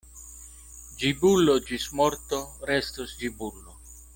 Ĝibulo ĝis morto restos ĝibulo.